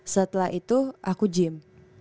setelah itu aku gym